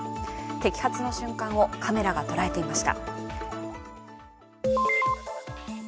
摘発の瞬間をカメラが捉えていました。